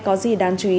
có gì đáng chú ý